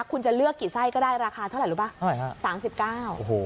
คุณจะเลือกกี่ไส้ก็ได้ราคาเท่าไหร่ป่ะใช่ฮะสามสิบเก้าโอ้โห